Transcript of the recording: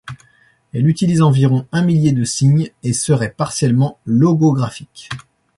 Elle utilise environ un millier de signes, et serait partiellement logographique.